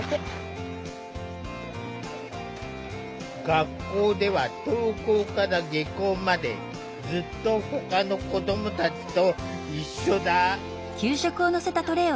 学校では登校から下校までずっとほかの子どもたちと一緒だ。